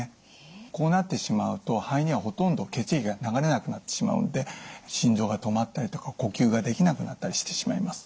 こうなってしまうと肺にはほとんど血液が流れなくなってしまうので心臓が止まったりとか呼吸ができなくなったりしてしまいます。